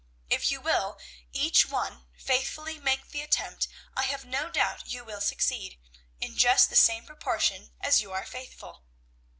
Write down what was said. If you will, each one, faithfully make the attempt, I have no doubt you will succeed, in just the same proportion as you are faithful.